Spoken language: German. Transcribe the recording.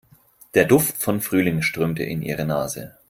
Der Duft von Frühling strömte in ihre Nase.